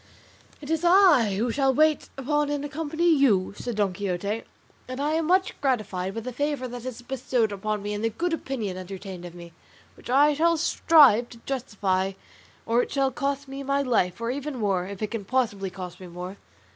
"It is I who shall wait upon and accompany you," said Don Quixote; "and I am much gratified by the favour that is bestowed upon me, and the good opinion entertained of me, which I shall strive to justify or it shall cost me my life, or even more, if it can possibly cost me more."